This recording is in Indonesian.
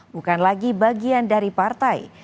bukan lagi bagian dari partai